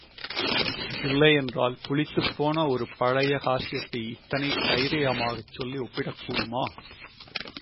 இல்லையென்றால் புளித்துப்போன ஒரு பழைய ஹாஸ்யத்தை இத்தனை தைரியமாகச் சொல்லி ஒப்பிடக்கூடுமா?